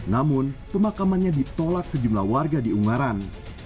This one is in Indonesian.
namun pemakamannya ditolak sejumlah warga di ungaran